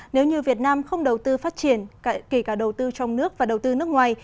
nếu như việt nam không đầu tư phát triển kể cả đầu tư trong nước và đầu tư nước ngoài